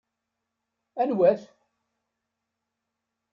Anwa-t?